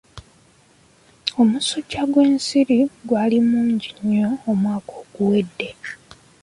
Omusajja gw'ensiri gwali mungi nnyo omwaka oguwedde.